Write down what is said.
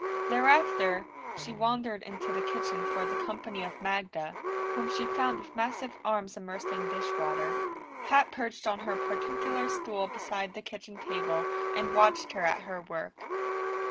Thereafter, she wandered into the kitchen for the company of Magda, whom she found with massive arms immersed in dish water. Pat perched on her particular stool beside the kitchen table and watched her at her work.